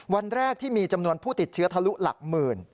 วันแรกที่มีจำนวนผู้ติดเชื้อทะลุหลักหมื่น